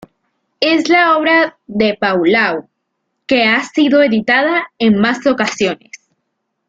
Es la obra de Palau que ha sido editada en más ocasiones.